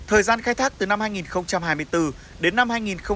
thời gian khai thác từ năm hai nghìn hai mươi bốn đến năm hai nghìn hai mươi